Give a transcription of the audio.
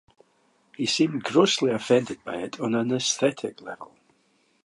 He seemed grossly offended by it on an aesthetic level.